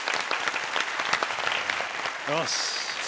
よし！